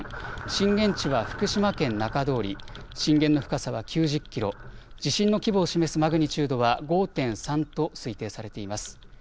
震源地は福島県中通り、震源の深さは９０キロ、地震の規模を示すマグニチュードは５．３と推定されています。